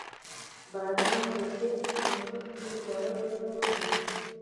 بادرنګ د خوب نه مخکې خوړل ښه دي.